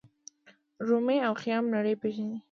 رومي او خیام نړۍ پیژني.